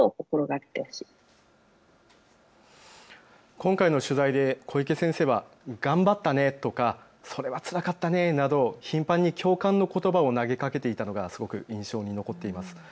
今回の取材で小池先生は頑張ったねとかそれはつらかったねなどと頻繁に共感のことばを投げかけていたのがすごく印象に残っています。